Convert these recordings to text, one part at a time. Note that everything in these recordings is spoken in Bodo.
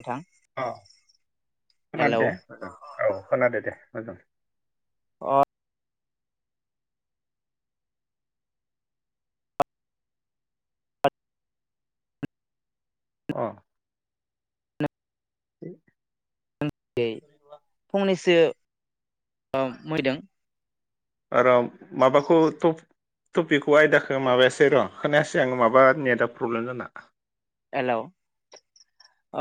नोंथां अ खोनादो हेलौ दे। औ खोनादो दे। हागोन। अ। अ। [unintelligible] फंनैसो ओ मैदों र' माबाखौ टप टपिकखौ आयदाखौ माबायासै र' खोनायासै आङो माबा नेटा प्रब्लेम जाना। हेलौ।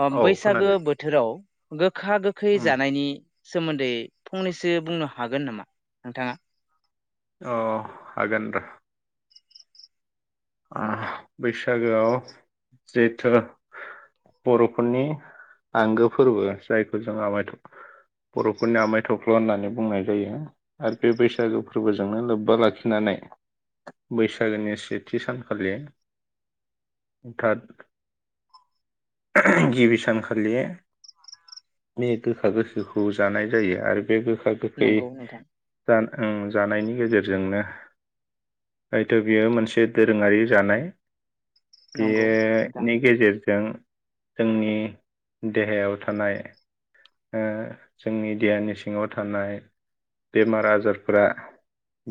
ओ औ बैसागो खोनादो बोथोराव [unintelligible] गोखा गोखै उम जानायनि सोमोन्दै फंनैसो बुंनो हागोन नामा नोंथाङा? अ हागोन र'। आ बैसागोआव जेथु बर'फोरनि आंगो फोरबो। जायखौ जों आमाइ थुख बर'फोरनि आमाइ थुख्लु होननानै बुंनाय जायो आरो बे बैसागो फोरबोजोंनो लोब्बा लाखिनानै बैसागोनि सि सेथि सानखालि दाथ [unintelligible] गिबि सानखालि बे गोखा गोखैखौ जानाय जायो आरो बे गोखा गोखै नंगौ नोंथां जा ओं जानायनि गेजेरजोंनो हयथ' बियो मोनसे दोरोङारि जानाय नंगौ नोंथां बेनि गेजेरजों जोंनि देहायाव थानाय ओ जोंनि देहानि सिङाव थानाय बेमार आजारफोरा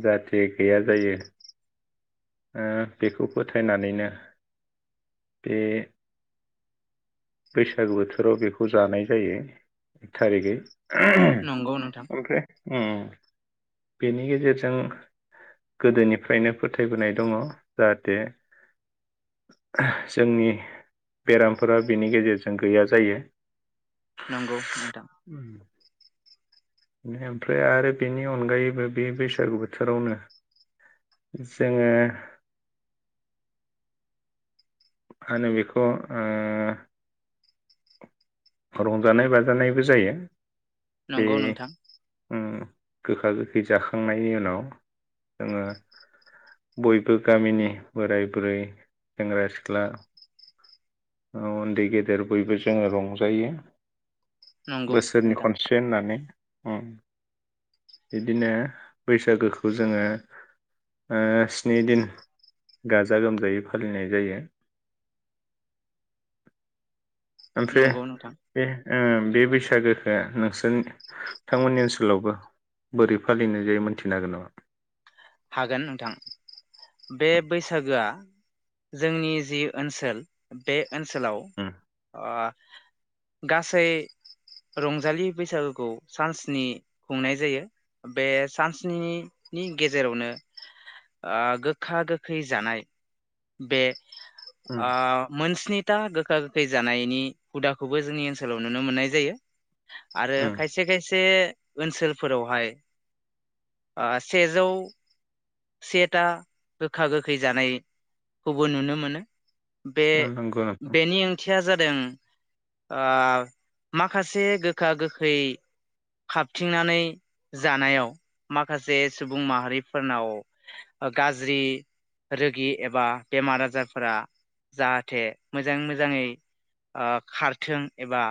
जाहाथे गैया जायो ओ बेखौ फोथायनानैनो बे बैसागो बोथोराव बेखौ जानाय जायो एक थारिगै। [unintelligible] नंगौ नोंथां ओमफ्राय उम। बेनि गेजेरजों गोदोनिफ्रायनो फोथायबोनाय दङ'। जाहाथे जोंनि बेरामफोरा बेनि गेजेरजों गैया जायो। नंगौ नोंथां। ओमफ्राय आरो बेनि अनगायैबो बे बैसागु बोथोरावनो जोङो मा ओनो बेखौ ओ रंजानाय बाजानायबो जायो। बे नंगौ नोंथां उम गोखा गोखै जाखांनायनि उनाव जोङो बयबो गामिनि बोराय बुरै सेंग्रा सिख्ला उन्दै गेदेर बयबो जोङो रंजायो। नंगौ बोसोरनि नोंथां खनसे होननानै उम। बिदिनो बैसागोखौ जोङो ओ स्नि दिन गाजा गोमजायै फालिनाय जायो। ओमफ्राय नंगौ नोंथां बे ओ बे बैसागोखो नोंसोर थांमोननि ओनसोलावबो बोरै फालिनाय जायो मोनथिनो हागोन नामा? हागोन नोंथां। बे बैसागोआ जोंनि जि ओनसोल बे ओनसोलाव नामा? आ गासै रंजालि बैसागोखौ सानस्नि खुंनाय जायो। बे सानस्निनि गे जेरावनो आ गोखा गोखै जानाय बे आ मोनस स्निथा गोखा गोखै जानायनि हुदाखौबो जोंनि ओनसोलाव नुनो मोननाय जायो आरो उम खायसे खायसे ओनसोलफोरावहाय आ सेजौ सेथा गोखा गोखै जानायखौबो नुनो मोनो। बे उम नंगौ नोंथां बेनि ओंथिया जादों आ माखासे गोखा गोखै खाबथिंनानै जानायाव माखासे सुबुं माहारि फोरनाव गाज्रि रोगि एबा बेमार आजारफोरा जाहाथे मोजाङै मोजाङै आ खारथों एबा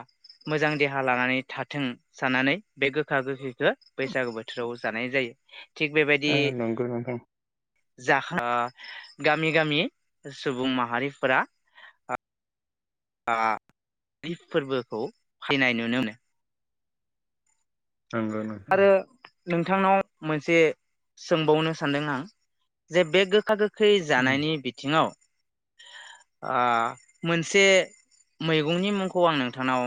मोजां देहा लानानै थाथों साननानै बे गोखा गोखैखौ बैसागु बोथोराव जानाय जायो। थिग बेबायदि ओ नंगौ नोंथां [unintelligible] गामि गामि सुबुं माहारिफोरा आ [unintelligible] फोरबोखौ [unintelligible] नुनो मोनो नंगौ नोंथां आरो नोंथांनाव मोनसे सोंबावनो सानदों आं जे बे गोखा गो खै उम जानायनि बिथिङाव ओ मोनसे मैगंनि मुंखौ आं नोंथांनाव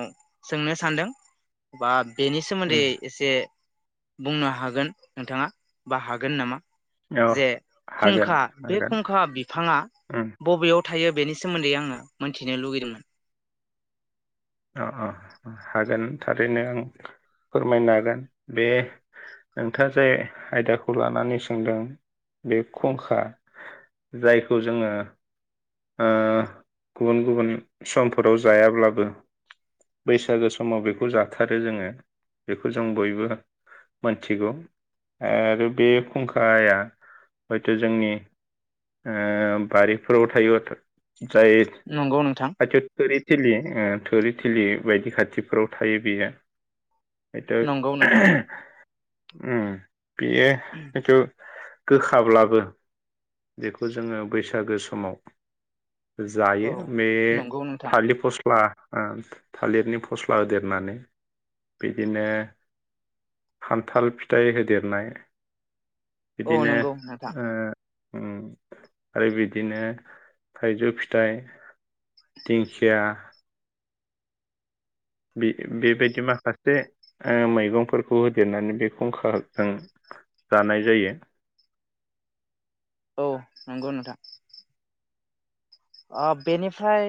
सोंनो सान्दों बा बेनि सोमोन्दै उम एसे बुंनो हागोन नोंथाङा बा हागोन नामा? अ जे हागोन खुंखा बे हागोन खुंखा बिफाङा उम बबेयाव थायो बेनि सोमोन्दै आङो मोनथिनो लुगैदोंमोन अ अ हागोन थारैनो आं फोरमायनो हागोन बे नोंथाङा जाय आयदाखौ लानानै सोंदों बे खुंखा जायखौ जोङो ओ गुबुन गुबुन समफोराव जायाब्लाबो बैसागो समाव बेखौ जाथारो जोङो बेखौ जों बयबो मोनथिगौ आरो बे फुंखाया हयथ' जोंनि ओ बारिफोराव थायो जाय नंगौ नोंथां [unintelligible] थोरि थिलि बायदि खाथिफोराव थायो बेयो हयथ' नंगौ नोंथां उम बियो [unintelligible] गोखाब्लाबो बेखौ जोङो बैसागो समाव औ जायो बे नंगौ नोंथां थालिरफस्ला स्ला थालिरनि फस्ला होदेरनानै बिदिनो खान्थाल फिथाइ होदेरनाय औ बिदिनो नंगौ नोंथां ओ ओम आरो बिदिनो थाइजौ फिथाइ दिंखिया बे बेबायदि माखासे ओ मैगंफोरखौ होदेरनानै बे खुंखाजों जानाय जायो औ नंगौ नोंथां ओ बेनिफ्राय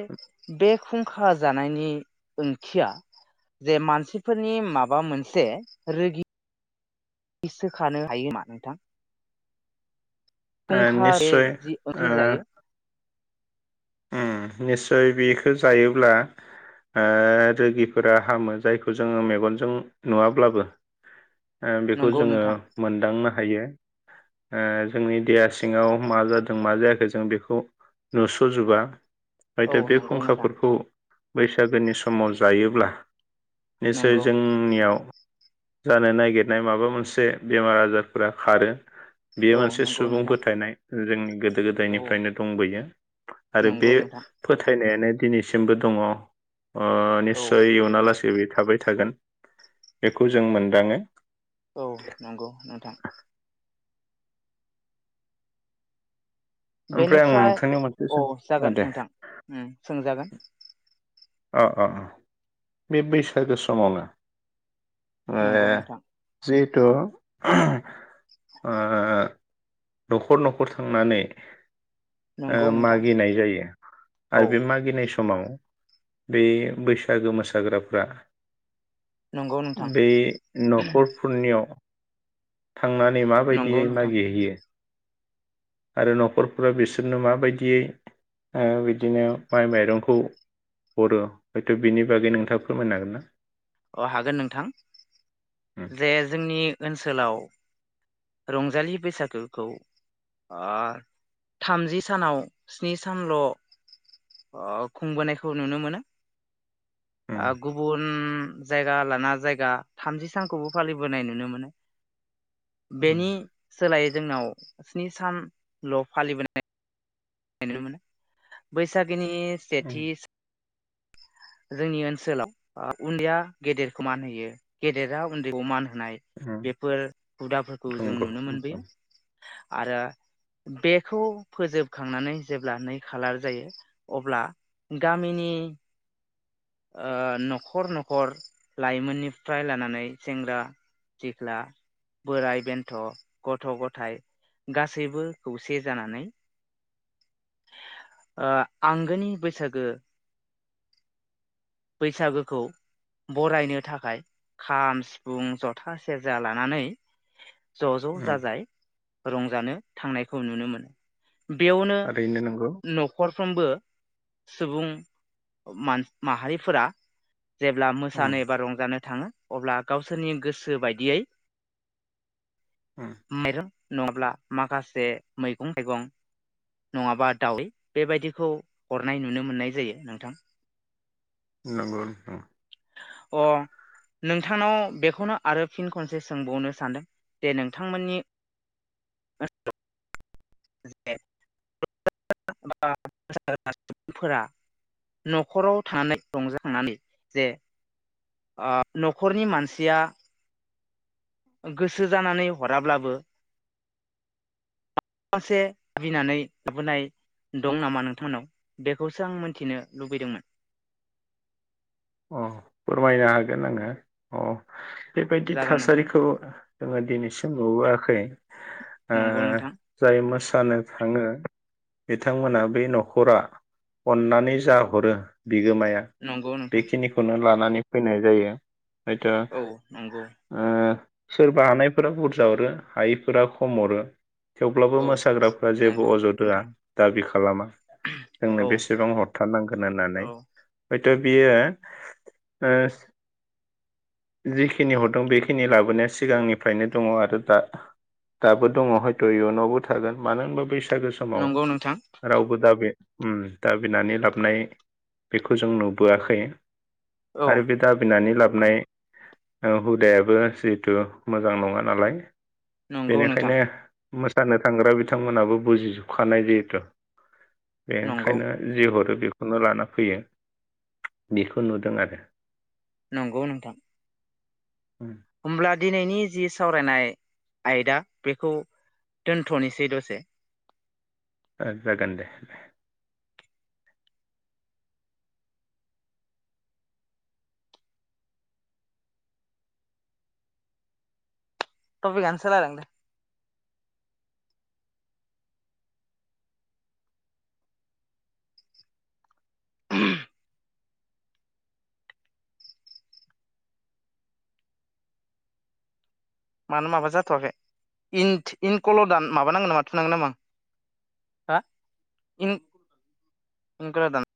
बे खुंखा जानायनि ओंथिया जे मानसिफोरनि माबा मोनसे रोगि सोखानो हायो नामा नोंथां? ओ फुंखा बे निस्सय जि ओ ओंख्रि जायो ओम निस्सय बेखौ जायोब्ला रोगिफोरा हामो जायखौ जोङो मेगनजों नुवाब्लाबो बेखौ नंगौ जोङो नोंथां मोनदांनो हा हायो जोंनि देहा सिङाव मा जादों मा जायाखै जों बेखौ नुस गुजुबा [inaudible] औ बे नंगौ नोंथां खुंखाफोरखौ बैसागोनि समाव जायोब्ला निसय नंगौ जोंनियाव जानो नागिरनाय माबा मोनसे बेमार आजारफोरा खारो बेयो औ मोनसे नंगौ सुबुं नोंथां फोथायनाय जोंनि गोदो गोदो औ गोदायनिफ्रायनो दंबोयो आरो बे नंगौ नोंथां फोथायनाय नायानो दिनैसिमबो दङ औ निस्सय इउनाव लासेै बे थाबाय थागोन बेखौ जों मोनदाङो औ नंगौ नोंथां ओमफ्राय आं बेनिफ्राय नोंथांनियाव मोनसे औ सों ओ जागोन दे नोंथां ओम सोंजागोन अ-अ बे बैसागो समावनो ए नंगौ नोंथां जि [inaudible] थ आ न'खर न'खर थांनानै नंगौ ओ नोंथां मागिनाय जायो औ आरो बे मागिनाय स समाव बे बैसागो मोसाग्राफ्रा नंगौ नोंथां बे न'खरफोरनियाव थांनानै नंगौ माबायदियै नोंथां मागिरहैयो? आरो न'खरफोरा बिसोरनो माबायदियै ओ बिदिनो माइ माइरंखौ हरो हयथ बिनि बागै नोंथाङा फोरमायनो हागोन ना? हागोन नोंथां जे जोंनि ओनसो सोलाव रंजालि बैसागोखौ थामजि सानाव स्नि सानल खुंबोनायखौ नुनो मोनो गुबुन जायगा लाना जायगा थामजि सानखौबो फालिबोनाय नुनो मोनो। उम बेनि उम उम सोलाय जोंनाव स्नि सानल फालिबोनाय जा नुनो मोनो बैसागोनि उम सेथि जोंनि ओनसोलाव उन्दैया गेदेरखौ मान होयो गेदेरा उन्दैखौ मान होनाय उम बेफोर हुदाफोरखौ जों नंगौ नुनो उम मोनबोयो उम आरो बेखौ फोजोबखांनानै जेब्ला नै खालार जायो अब्ला गामिनि न'खर न'खर लाइमोननिफ्राय लानानै सेंग्रा सिख्ला बोराय बेन्थ गथ गथायाइ गासैबो खौसे जानानै आंगोनि बैसागो बैसागोखौ बरायनो थाखाय खाम सिफुं जथा सेरजा लानानै ज ज जाजाय रंजानो थांनायखौ नुनो मोनो। बेयावनो थारैनो नंगौ नखरफ्रोमबो सुबुं माहारिफोरा जेब्ला मोसानो उम एबा रंजानो थाङो अब्ला गावसोरनि गोसो बायदियै उम मेरं नङाब्ला माखासे मैगं थाइगं नङाबा दावै बेबायदिखौ हरनाय नुनो मोननाय जायो नोंथां। नोंगौ अ नोंथांनाव बेखौनो आरो फिन खनसे सोंबावनो सानदों जे नोंथांमोननि जे सुबुंफोरा न'खराव थानानै रंजाखांनानै जे न'खरनि मानसिया गोसो जानानै हराब्लाबो मसे आबिनानै लाबोनाय दं नामा नोंथांमोननाव बेखौसो आं मोनथिनो लुबैदोंमोन। अ फोरमायनो हागोन आङो अ बेबायदि जागोन नोंथां थासारिखौ जोङो दिनैसिम नुबोआखै नंगौ नोंथां जाय मोसानो थाङो बिथांमोना बे न'खरा अननानै जा हरो बिगोमाया नंगौ नोंथां बेखिनिखौनो ला नानै फैनाय जायो। थ औ नंगौ आ सोरबा हानायफोरा बुरजा हरो हायिफोरा खम हरो। थेवब्लाबो औ मोसाग्राफ्रा जेबो नंगौ अजद होआ नोंथां दाबि खालामा जोंनो औ बेसेबां हरथारनांगोन होननानै। बियो जिखिनि हरदों बेखिनि लाबोनाया सिगांनिफ्रायनो दङ आरो दाबो दङ हयथ इयुनावबो थागोन मानो होनबा बैसागो समाव नंगौ नोंथां रावबो दा बे ओ दाबिनानै लाबनाय बेखौ जों नु बोयाखै औ आरो बे दाबिनानै लाब नै औ दे हुदायाबो जिहेथु मोजां नङा नालाय नंगौ नोंथां बेनिखायनो मोसानो थांग्रा बिथांमोनाबो बुजिजोबखानाय जेथ' नंगौ बेनिखायनो जि हरो बेखौनो लाना फैयो बेखौ नुदों आरो नंगौ नोंथां होमब्ला दिनैनि जि सावरायनाय आयदा बेखौ दोनथ'नोसै दसे। जागोन दे दे। टपिगानो सोलायलांदो। [unintelligible] मानो माबा जाथ'वाखै इन इनकल' दान माबानांगोन नामा थुनांगोन नामा हा इन कलाव दान।